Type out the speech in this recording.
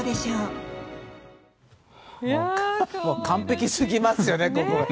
完璧すぎますよね。